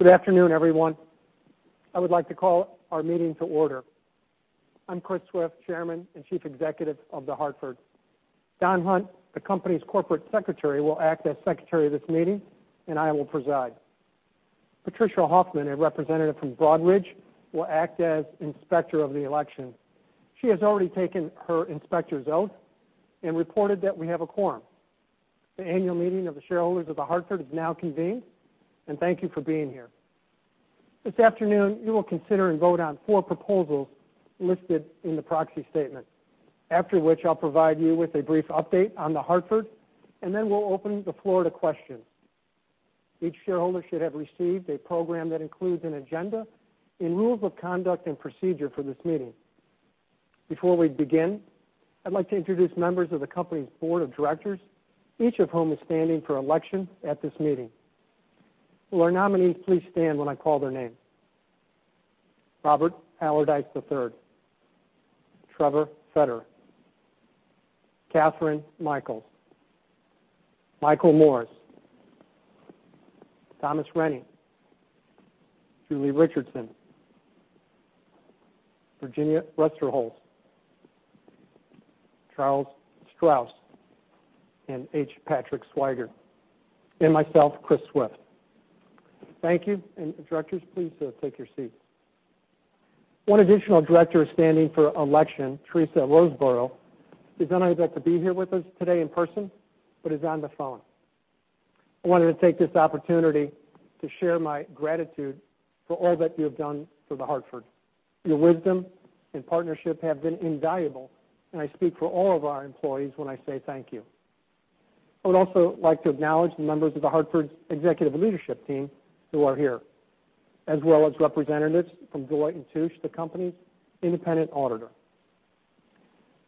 Good afternoon, everyone. I would like to call our meeting to order. I'm Chris Swift, Chairman and Chief Executive of The Hartford. Don Hunt, the company's Corporate Secretary, will act as secretary of this meeting. I will preside. Patricia Hoffman, a representative from Broadridge, will act as inspector of the election. She has already taken her inspector's oath and reported that we have a quorum. The annual meeting of the shareholders of The Hartford is now convened. Thank you for being here. This afternoon, you will consider and vote on 4 proposals listed in the proxy statement. After which, I'll provide you with a brief update on The Hartford. We'll open the floor to questions. Each shareholder should have received a program that includes an agenda and rules of conduct and procedure for this meeting. Before we begin, I'd like to introduce members of the company's board of directors, each of whom is standing for election at this meeting. Will our nominees please stand when I call their name? Robert Allardice III, Trevor Fetter, Kathryn Mikells, Michael Morris, Thomas Renyi, Julie Richardson, Virginia Ruesterholz, Charles Strauss, H. Patrick Swygert, and myself, Chris Swift. Thank you. Directors, please take your seats. One additional director standing for election, Teresa Roseborough, is unable to be here with us today in person, but is on the phone. I wanted to take this opportunity to share my gratitude for all that you have done for The Hartford. Your wisdom and partnership have been invaluable. I speak for all of our employees when I say thank you. I would also like to acknowledge the members of The Hartford's executive leadership team who are here, as well as representatives from Deloitte & Touche, the company's independent auditor.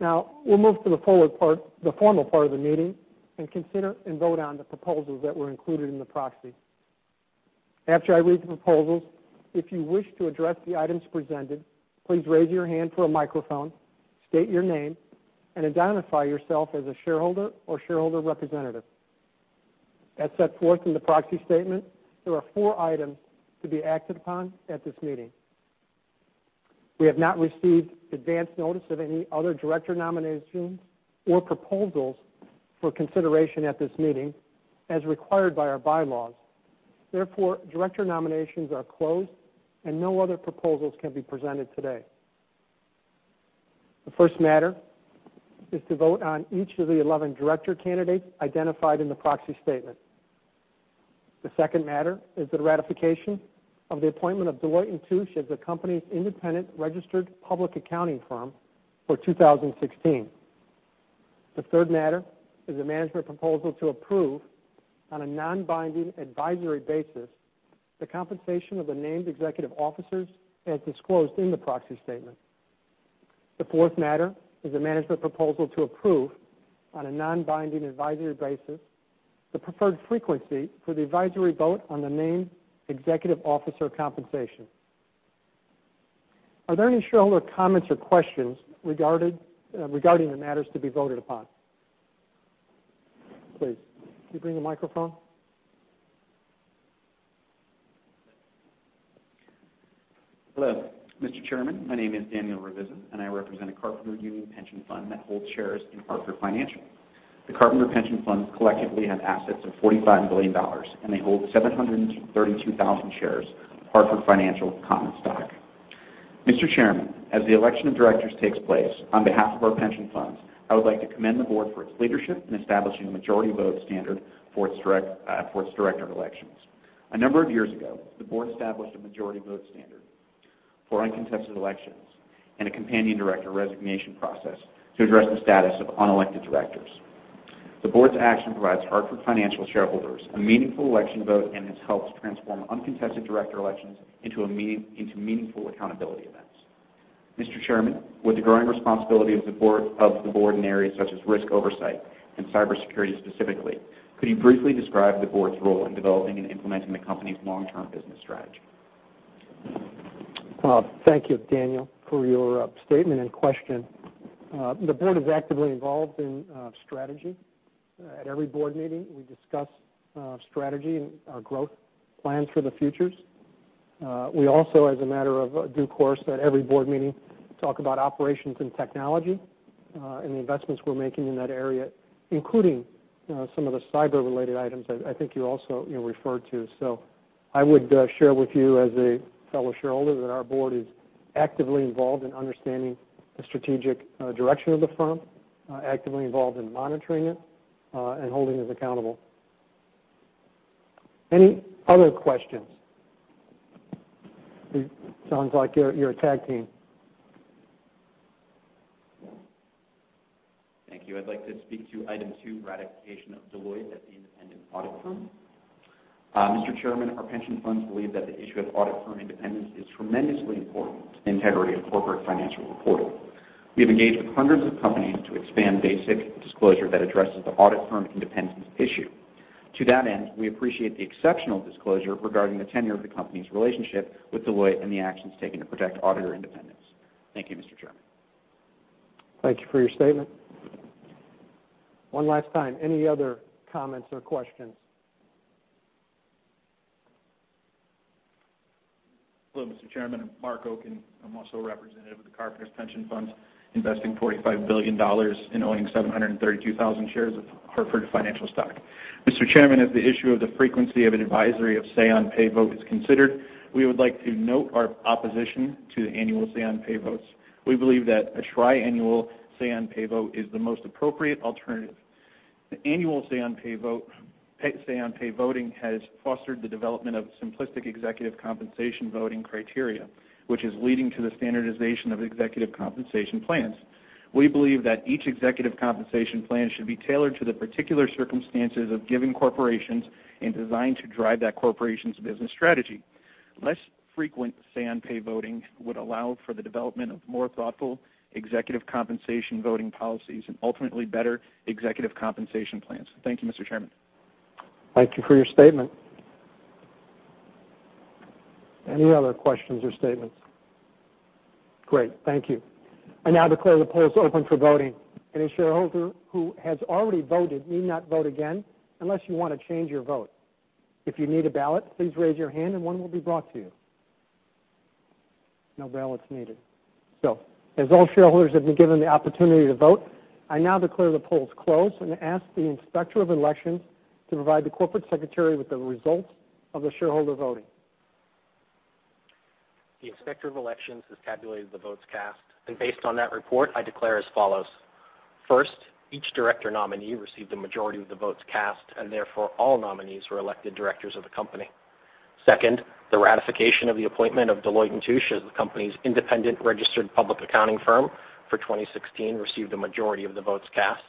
We'll move to the formal part of the meeting and consider and vote on the proposals that were included in the proxy. After I read the proposals, if you wish to address the items presented, please raise your hand for a microphone, state your name, and identify yourself as a shareholder or shareholder representative. As set forth in the proxy statement, there are 4 items to be acted upon at this meeting. We have not received advance notice of any other director nominations or proposals for consideration at this meeting, as required by our bylaws. Therefore, director nominations are closed. No other proposals can be presented today. The first matter is to vote on each of the 11 director candidates identified in the proxy statement. The second matter is the ratification of the appointment of Deloitte & Touche as the company's independent registered public accounting firm for 2016. The third matter is a management proposal to approve, on a non-binding advisory basis, the compensation of the named executive officers as disclosed in the proxy statement. The fourth matter is a management proposal to approve, on a non-binding advisory basis, the preferred frequency for the advisory vote on the named executive officer compensation. Are there any shareholder comments or questions regarding the matters to be voted upon? Can you bring the microphone? Hello, Mr. Chairman. My name is Daniel Ravizza, and I represent Carpenters Union Pension Fund that holds shares in Hartford Financial. The Carpenters Pension Funds collectively have assets of $45 billion, and they hold 732,000 shares of Hartford Financial common stock. Mr. Chairman, as the election of directors takes place, on behalf of our pension funds, I would like to commend the board for its leadership in establishing a majority vote standard for its director elections. A number of years ago, the board established a majority vote standard for uncontested elections and a companion director resignation process to address the status of unelected directors. The board's action provides Hartford Financial shareholders a meaningful election vote and has helped transform uncontested director elections into meaningful accountability events. Mr. Chairman, with the growing responsibility of the board in areas such as risk oversight and cybersecurity specifically, could you briefly describe the board's role in developing and implementing the company's long-term business strategy? Thank you, Daniel, for your statement and question. The board is actively involved in strategy. At every board meeting, we discuss strategy and our growth plans for the future. We also, as a matter of due course at every board meeting, talk about operations and technology, and the investments we're making in that area, including some of the cyber-related items I think you also referred to. I would share with you, as a fellow shareholder, that our board is actively involved in understanding the strategic direction of the firm, actively involved in monitoring it, and holding us accountable. Any other questions? It sounds like you're a tag team. Thank you. I'd like to speak to item two, ratification of Deloitte as the independent audit firm. Mr. Chairman, our pension funds believe that the issue of audit firm independence is tremendously important to the integrity of corporate financial reporting. We have engaged with hundreds of companies to expand basic disclosure that addresses the audit firm independence issue. To that end, we appreciate the exceptional disclosure regarding the tenure of the company's relationship with Deloitte and the actions taken to protect auditor independence. Thank you, Mr. Chairman. Thank you for your statement. One last time, any other comments or questions? Hello, Mr. Chairman. I'm Mark Okin. I'm also a representative of the Carpenters Pension Fund, investing $45 billion and owning 732,000 shares of Hartford Financial stock. Mr. Chairman, as the issue of the frequency of an advisory of say-on-pay vote is considered, we would like to note our opposition to the annual say-on-pay votes. We believe that atriennial say-on-pay vote is the most appropriate alternative. The annual say-on-pay voting has fostered the development of simplistic executive compensation voting criteria, which is leading to the standardization of executive compensation plans. We believe that each executive compensation plan should be tailored to the particular circumstances of giving corporations and designed to drive that corporation's business strategy. Less frequent say-on-pay voting would allow for the development of more thoughtful executive compensation voting policies and ultimately better executive compensation plans. Thank you, Mr. Chairman. Thank you for your statement. Any other questions or statements? Great. Thank you. I now declare the polls open for voting. Any shareholder who has already voted need not vote again unless you want to change your vote. If you need a ballot, please raise your hand and one will be brought to you. No ballots needed. As all shareholders have been given the opportunity to vote, I now declare the polls closed and ask the Inspector of Elections to provide the Corporate Secretary with the results of the shareholder voting. The Inspector of Elections has tabulated the votes cast, based on that report, I declare as follows. First, each director nominee received a majority of the votes cast, and therefore, all nominees were elected directors of the company. Second, the ratification of the appointment of Deloitte & Touche as the company's independent registered public accounting firm for 2016 received a majority of the votes cast.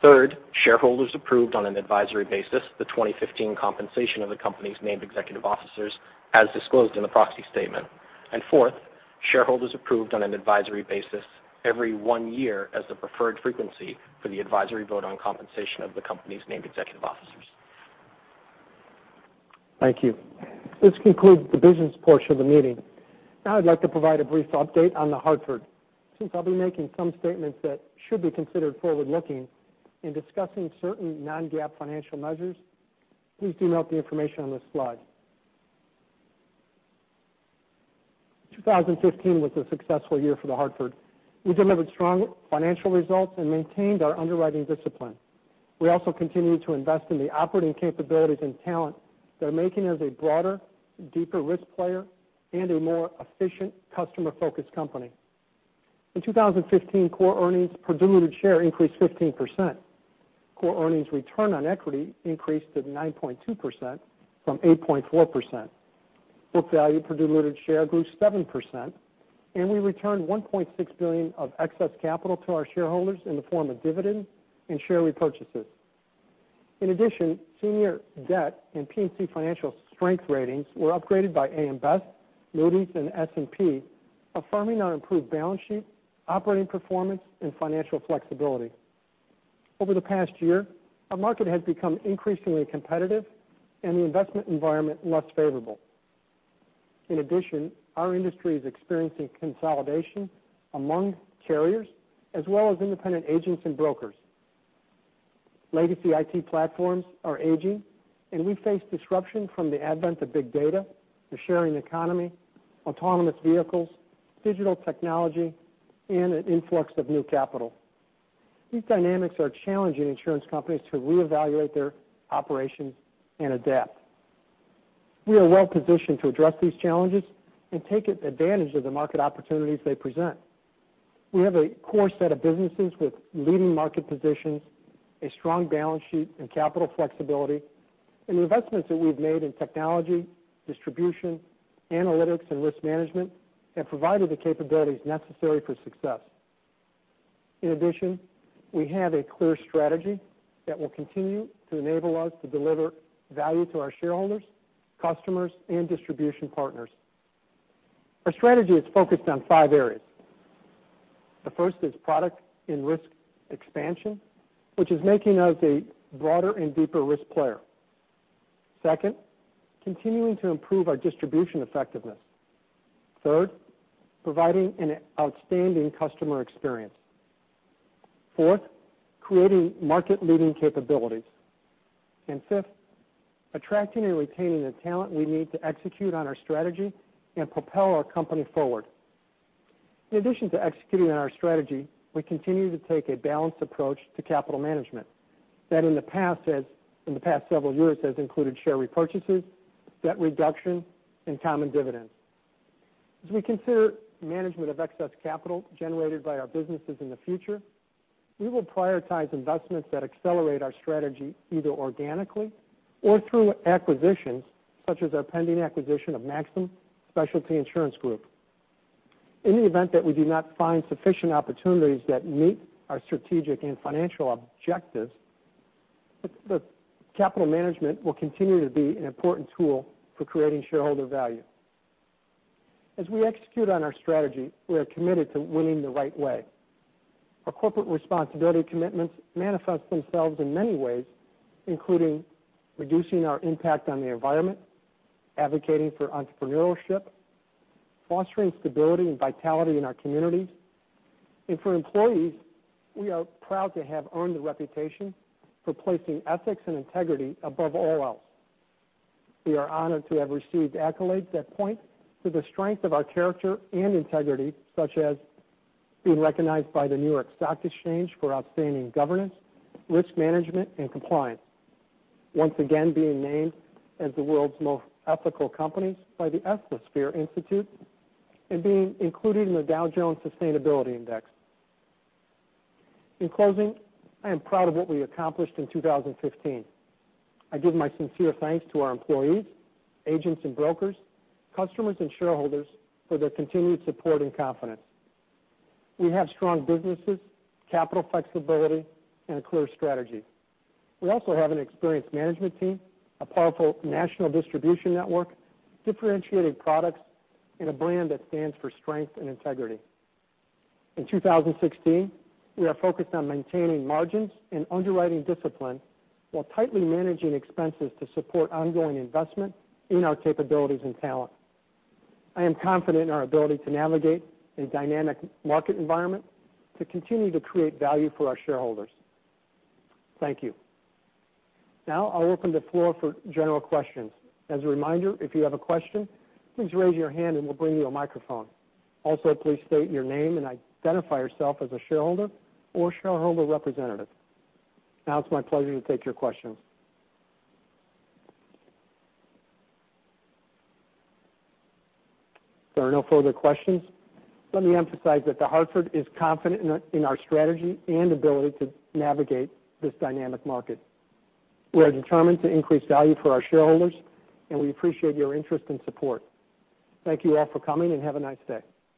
Third, shareholders approved on an advisory basis the 2015 compensation of the company's named executive officers as disclosed in the proxy statement. Fourth, shareholders approved on an advisory basis every one year as the preferred frequency for the advisory vote on compensation of the company's named executive officers. Thank you. This concludes the business portion of the meeting. Now I'd like to provide a brief update on The Hartford. Since I'll be making some statements that should be considered forward-looking and discussing certain non-GAAP financial measures, please denote the information on this slide. 2015 was a successful year for The Hartford. We delivered strong financial results and maintained our underwriting discipline. We also continued to invest in the operating capabilities and talent that are making us a broader, deeper risk player and a more efficient customer-focused company. In 2015, core earnings per diluted share increased 15%. Core earnings return on equity increased to 9.2% from 8.4%. Book value per diluted share grew 7%, and we returned $1.6 billion of excess capital to our shareholders in the form of dividends and share repurchases. In addition, senior debt and P&C financial strength ratings were upgraded by AM Best, Moody's, and S&P, affirming our improved balance sheet, operating performance, and financial flexibility. Over the past year, our market has become increasingly competitive and the investment environment less favorable. In addition, our industry is experiencing consolidation among carriers as well as independent agents and brokers. Legacy IT platforms are aging, and we face disruption from the advent of big data, the sharing economy, autonomous vehicles, digital technology, and an influx of new capital. These dynamics are challenging insurance companies to reevaluate their operations and adapt. We are well-positioned to address these challenges and take advantage of the market opportunities they present. We have a core set of businesses with leading market positions, a strong balance sheet and capital flexibility, and the investments that we've made in technology, distribution, analytics, and risk management have provided the capabilities necessary for success. In addition, we have a clear strategy that will continue to enable us to deliver value to our shareholders, customers, and distribution partners. Our strategy is focused on five areas. The first is product and risk expansion, which is making us a broader and deeper risk player. Second, continuing to improve our distribution effectiveness. Third, providing an outstanding customer experience. Fourth, creating market-leading capabilities. Fifth, attracting and retaining the talent we need to execute on our strategy and propel our company forward. In addition to executing on our strategy, we continue to take a balanced approach to capital management that in the past several years has included share repurchases, debt reduction, and common dividends. As we consider management of excess capital generated by our businesses in the future, we will prioritize investments that accelerate our strategy either organically or through acquisitions, such as our pending acquisition of Maxum Specialty Insurance Group. In the event that we do not find sufficient opportunities that meet our strategic and financial objectives, capital management will continue to be an important tool for creating shareholder value. As we execute on our strategy, we are committed to winning the right way. Our corporate responsibility commitments manifest themselves in many ways, including reducing our impact on the environment, advocating for entrepreneurship Fostering stability and vitality in our communities. For employees, we are proud to have earned the reputation for placing ethics and integrity above all else. We are honored to have received accolades that point to the strength of our character and integrity, such as being recognized by the New York Stock Exchange for outstanding governance, risk management, and compliance. Once again, being named as the world's most ethical companies by the Ethisphere Institute and being included in the Dow Jones Sustainability Index. In closing, I am proud of what we accomplished in 2015. I give my sincere thanks to our employees, agents and brokers, customers, and shareholders for their continued support and confidence. We have strong businesses, capital flexibility, and a clear strategy. We also have an experienced management team, a powerful national distribution network, differentiated products, and a brand that stands for strength and integrity. In 2016, we are focused on maintaining margins and underwriting discipline while tightly managing expenses to support ongoing investment in our capabilities and talent. I am confident in our ability to navigate a dynamic market environment to continue to create value for our shareholders. Thank you. Now I'll open the floor for general questions. As a reminder, if you have a question, please raise your hand and we'll bring you a microphone. Also, please state your name and identify yourself as a shareholder or shareholder representative. Now it's my pleasure to take your questions. If there are no further questions, let me emphasize that The Hartford is confident in our strategy and ability to navigate this dynamic market. We are determined to increase value for our shareholders, and we appreciate your interest and support. Thank you all for coming, and have a nice day.